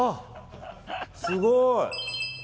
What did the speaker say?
すごい。